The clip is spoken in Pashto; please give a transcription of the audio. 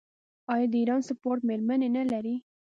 آیا د ایران سپورټ میرمنې نلري؟